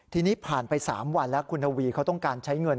ทีนี้ผ่านไป๓วันแล้วคุณทวีเขาต้องการใช้เงิน